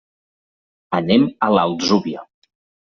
Anem a l'Atzúvia.